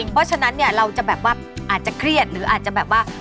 เพราะฉะนั้นเนี่ยเราจะแบบว่าอาจจะเครียดหรืออาจจะแบบว่า